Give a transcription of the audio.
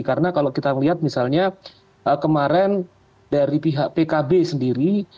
karena kalau kita melihat misalnya kemarin dari pihak pkb sendiri